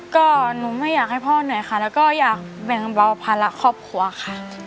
ก็หนูไม่อยากให้พ่อเหนื่อยค่ะแล้วก็อยากแบ่งเบาภาระครอบครัวค่ะ